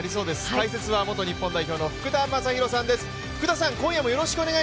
解説は元日本代表の福田正博さんです。